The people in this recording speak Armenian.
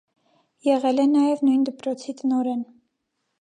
Եղել է նաև նույն դպրոցի տնօրեն։